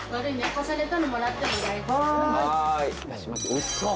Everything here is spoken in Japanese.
おいしそう！